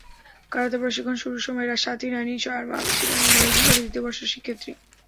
Karate প্রশিক্ষণ শুরুর সময় সাথী রানী শর্মা ছিলেন গণিত বিভাগের দ্বিতীয় বর্ষের শিক্ষার্থী।